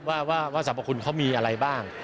ว่าสรรพคุณเขามีอะไรบ้าง